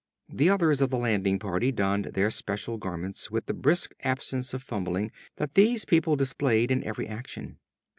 The others of the landing party donned their special garments with the brisk absence of fumbling that these people displayed in every action.